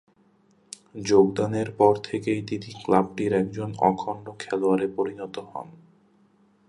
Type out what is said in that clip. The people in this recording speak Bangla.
যোগদানের পর থেকেই তিনি ক্লাবটির একজন অখণ্ড খেলোয়াড়ে পরিণত হন।